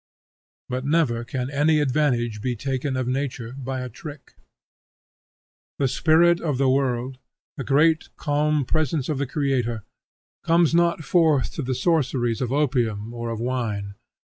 But never can any advantage be taken of nature by a trick. The spirit of the world, the great calm presence of the Creator, comes not forth to the sorceries of opium or of wine.